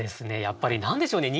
やっぱり何でしょうね。